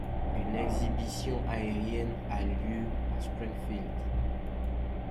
Une exhibition aérienne a lieu à Springfield.